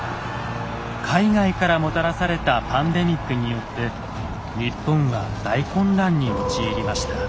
海外からもたらされたパンデミックによって日本は大混乱に陥りました。